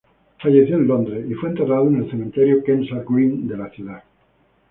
Falleció en Londres y fue enterrado en el Cementerio Kensal Green de la ciudad.